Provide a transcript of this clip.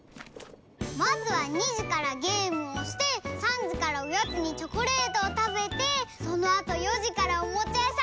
まずは２じからゲームをして３じからおやつにチョコレートをたべてそのあと４じからおもちゃやさんにいって。